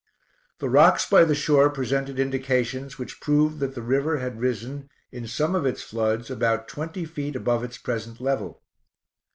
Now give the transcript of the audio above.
The rocks by the shore presented indications which proved that the river had risen in some of its floods about twenty feet above its present level.